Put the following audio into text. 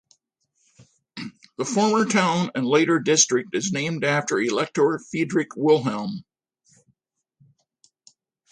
The former town and the later district is named after Elector Friedrich Wilhelm.